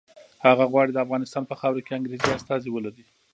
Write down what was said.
هغه غواړي د افغانستان په خاوره کې انګریزي استازي ولري.